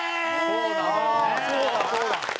そうだそうだ！